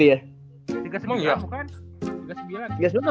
si tyrese apa sih namanya